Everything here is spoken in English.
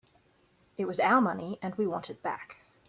It was our money and we want it back.